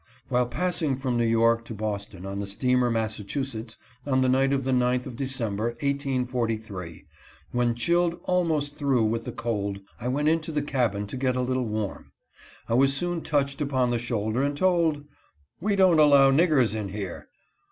While pass ing from New York to Boston on the steamer Massachu setts, on the night of the 9th of December, 1843, when chilled almost through with the cold, I went into the cabin to get a little warm. I was soon touched upon the shoulder, and told, " We don't allow niggers in here."